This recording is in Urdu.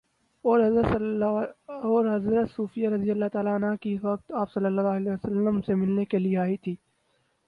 اور حضرت صفیہ رضی اللہ عنہا رات کے وقت آپ صلی اللہ علیہ وسلم سے ملنے کے لیے آئی تھیں